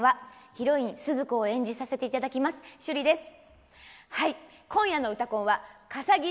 ヒロイン、スズ子を演じさせていただきます、趣里です。